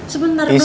sebentar dong mas